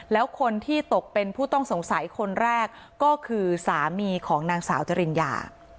แล้วคนที่ตกเป็นผู้ต้องสงสัยคนแรกก็คือสามีของนางสาวจริญญา